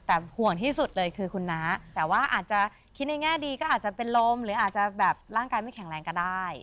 แต่ห่วงที่สุดเลยคือคุณน้าแต่ว่าอาจจะคิดในแง่ดีก็อาจจะเป็นลมหรืออาจจะแบบร่างกายไม่แข็งแรงก็ได้